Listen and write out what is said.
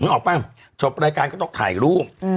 ออกป่ะจบรายการก็ต้องถ่ายรูป